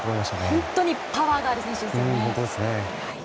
本当にパワーがある選手ですね。